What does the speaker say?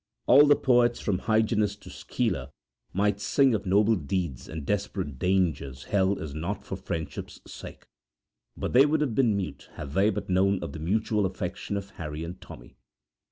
All the poets from Hyginus to Schiller might sing of noble deeds and desperate dangers held as naught for friendship's sake, but they would have been mute had they but known of the mutual affection of Harry and Tommy.